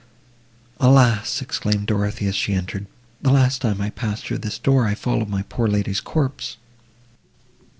"Alas!" exclaimed Dorothée, as she entered, "the last time I passed through this door—I followed my poor lady's corpse!"